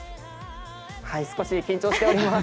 少し緊張しております。